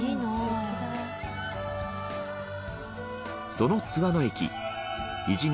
その津和野駅なぜ？